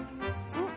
うん？